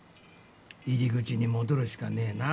入り口に戻るしかねえな。